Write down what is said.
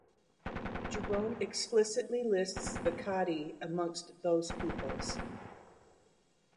Jerome explicitly lists the Quadi amongst those peoples.